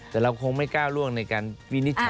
แต่เราคงไม่กล้าล่วงในการพินิจฉันของสาร